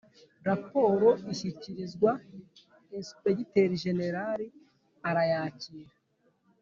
raporo ishyikirizwa Ensipegiteri Jenerali arayakira